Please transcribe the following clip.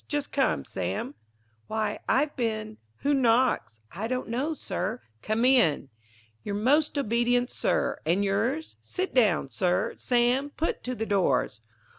Just come, Sam? Why, I've been Who knocks? I don't know, Sir. Come in. "Your most obedient, Sir?" and yours. Sit down, Sir. Sam, put to the doors.